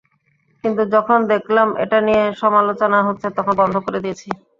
কিন্তু যখন দেখলাম এটা নিয়ে সমালোচনা হচ্ছে, তখন বন্ধ করে দিয়েছি।